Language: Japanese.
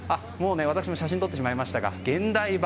私も写真を撮ってしまいましたが現代版